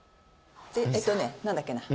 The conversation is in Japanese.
えっとね何だっけな。